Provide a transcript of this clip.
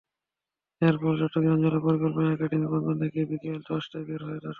এরপর চট্টগ্রাম জেলা শিল্পকলা একাডেমী প্রাঙ্গণ থেকে বিকেল পাঁচটায় বের হবে শোভাযাত্রা।